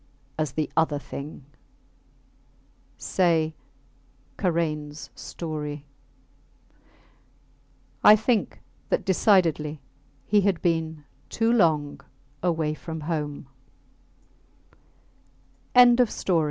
as the other thing ... say, Karains story. I think that, decidedly, he had been too long away from